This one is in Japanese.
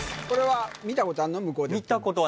これは見たことあんの？